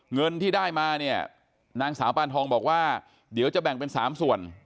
เงินที่ได้มาเนี่ยนางสาวปานทองบอกว่าเดี๋ยวจะแบ่งเป็น๓ส่วน